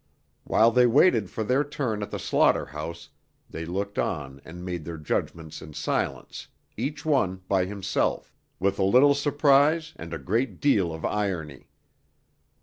While they waited for their turn at the slaughterhouse they looked on and made their judgments in silence, each one by himself, with a little surprise and a great deal of irony.